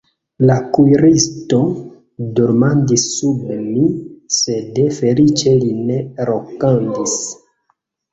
La kuiristo dormadis sub mi, sed feliĉe li ne ronkadis.